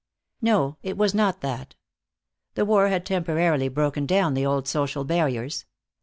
No. It was not that. The war had temporarily broken down the old social barriers.